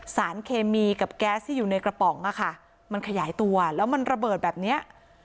สารเคมีกับแก๊สที่อยู่ในกระป๋องอะค่ะมันขยายตัวแล้วมันระเบิดแบบเนี้ย